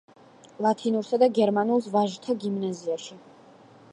იგი ასწავლიდა ლათინურსა და გერმანულს ვაჟთა გიმნაზიაში.